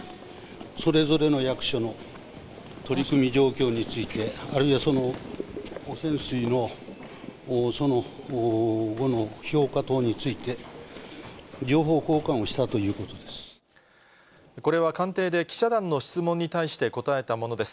それぞれの役所の取り組み状況について、あるいはその汚染水の、その後の評価等について、これは官邸で、記者団の質問に対して答えたものです。